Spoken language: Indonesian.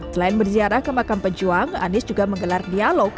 selain berziarah ke makam pejuang anies juga menggelar dialog